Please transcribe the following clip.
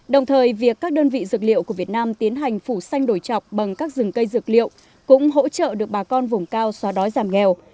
đồng thời việc các đơn vị dược liệu của việt nam tiến hành phủ xanh đổi trọc bằng các rừng cây dược liệu cũng hỗ trợ được bà con vùng cao xóa đói giảm nghèo